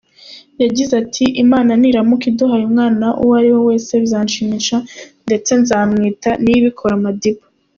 Yagize ati “ Imana niramuka iduhaye umwana uwo ariwe wese bizanshimisha ndetse nzamwita Niyibikora Madiba.